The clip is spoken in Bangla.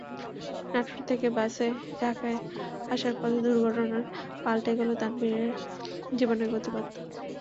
নাটোর থেকে বাসে ঢাকায় আসার পথে দুর্ঘটনায় পাল্টে গেল তানভীরের জীবনের গতিপথ।